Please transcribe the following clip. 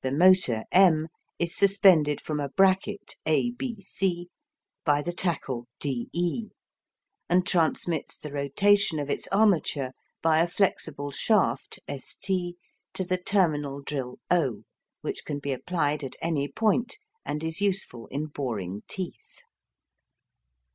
The motor M is suspended from a bracket A B C by the tackle D E, and transmits the rotation of its armature by a flexible shaft S T to the terminal drill O, which can be applied at any point, and is useful in boring teeth.